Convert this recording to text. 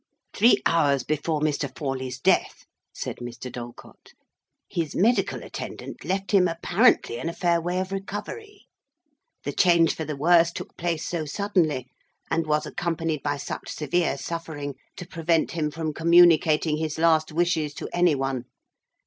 "Three hours before Mr. Forley's death," said Mr. Dalcott, "his medical attendant left him apparently in a fair way of recovery. The change for the worse took place so suddenly, and was accompanied by such severe suffering, to prevent him from communicating his last wishes to any one.